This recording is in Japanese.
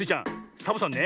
サボさんね